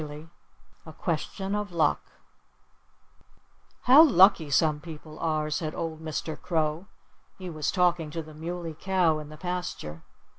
XIX A QUESTION OF LUCK "How lucky some people are!" said old Mr. Crow. He was talking to the Muley Cow, in the pasture.